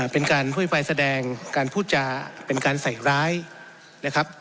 เป็นการพูดไปแสดงการพูดจาเป็นการใส่ร้ายนะครับ